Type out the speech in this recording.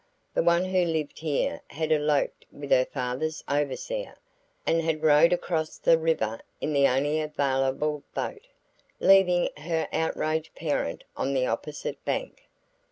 The one who lived here had eloped with her father's overseer, and had rowed across the river in the only available boat, leaving her outraged parent on the opposite bank.